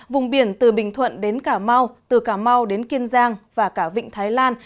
vùng biển từ bình thuận đến cả mau từ cả mau đến kiên giang và cả vịnh thái lan